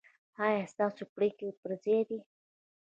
ایا ستاسو پریکړې پر ځای دي؟